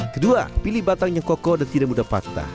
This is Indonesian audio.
kedua pilih batangnya kokoh dan tidak mudah patah